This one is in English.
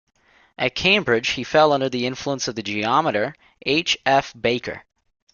At Cambridge he fell under the influence of the geometer H. F. Baker.